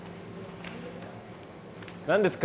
何ですか？